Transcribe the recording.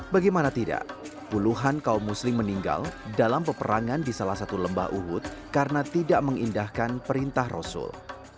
bagaimana tidak puluhan kaum muslim meninggal dalam peperangan di salah satu lembah uhud karena tidak mengindahkan perintah rasul